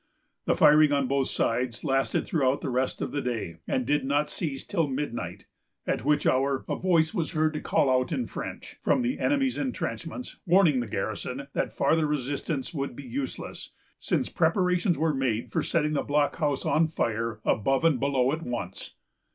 The firing on both sides lasted through the rest of the day, and did not cease till midnight, at which hour a voice was heard to call out, in French, from the enemy's intrenchments, warning the garrison that farther resistance would be useless, since preparations were made for setting the blockhouse on fire, above and below at once.